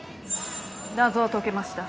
謎は解けました。